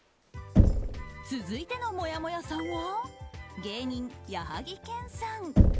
続いてのもやもやさんは芸人、矢作兼さん。